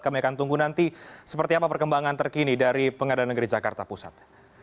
kami akan tunggu nanti seperti apa perkembangan terkini dari pengadilan negeri jakarta pusat